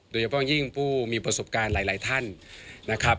โดยเฉพาะยิ่งผู้มีประสบการณ์หลายท่านนะครับ